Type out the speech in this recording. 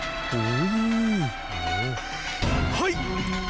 ทักโชว์